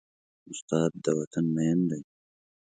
استاد د وطن مین دی.